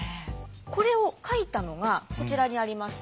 これを描いたのがこちらにあります